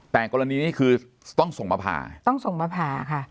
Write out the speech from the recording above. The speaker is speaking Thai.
แต่กรณีนี้คือต้องส่งมาผ่าต้องส่งมาผ่าค่ะ